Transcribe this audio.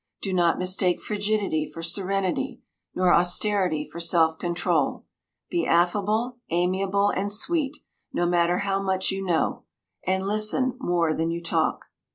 Do not mistake frigidity for serenity, nor austerity for self control. Be affable, amiable, and sweet, no matter how much you know. And listen more than you talk.